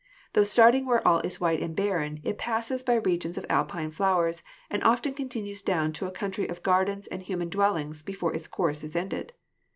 Tho starting where all is white and barren, it passes by regions of Alpine flowers and often continues down to a country of gardens and human dwellings before its course is ended.